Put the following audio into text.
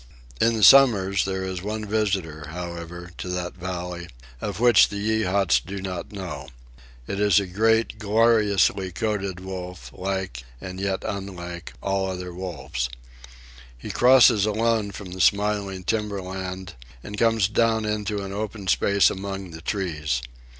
In the summers there is one visitor, however, to that valley, of which the Yeehats do not know. It is a great, gloriously coated wolf, like, and yet unlike, all other wolves. He crosses alone from the smiling timber land and comes down into an open space among the trees.